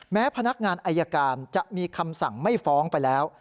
พนักงานอายการจะมีคำสั่งไม่ฟ้องไปแล้ว